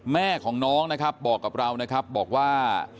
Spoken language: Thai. แม่ของน้องนะครับบอกกับเรานะครับบอกว่า